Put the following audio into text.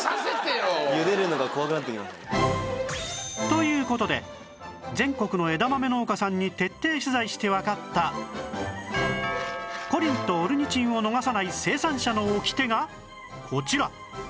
という事で全国の枝豆農家さんに徹底取材してわかったコリンとオルニチンを逃さない生産者のオキテがこちら